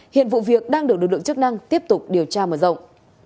hiện vụ việc đang được lực lượng chức năng tiếp tục điều tra mở rộng